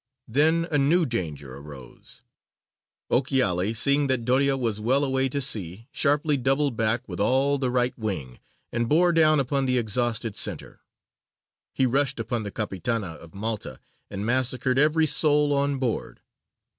Then a new danger arose: Ochiali, seeing that Doria was well away to sea, sharply doubled back with all the right wing, and bore down upon the exhausted centre. He rushed upon the capitana of Malta, and massacred every soul on board.